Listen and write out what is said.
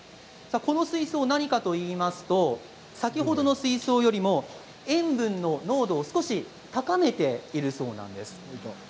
この水槽、何かといいますと先ほどの水槽よりも塩分の濃度を少し高めているそうなんです。